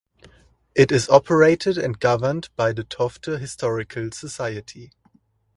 It is operated and governed by the Tofte Historical Society.